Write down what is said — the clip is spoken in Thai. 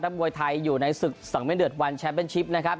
มวยไทยอยู่ในศึกสังเวียดวันแชมป์เป็นชิปนะครับ